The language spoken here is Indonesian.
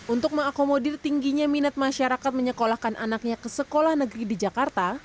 untuk mengakomodir tingginya minat masyarakat menyekolahkan anaknya ke sekolah negeri di jakarta